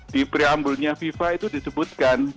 di preambulnya fifa itu disebutkan